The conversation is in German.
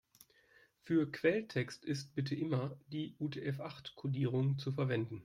Für Quelltext ist bitte immer die UTF-acht-Kodierung zu verwenden.